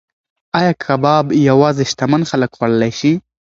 ایا کباب یوازې شتمن خلک خوړلی شي؟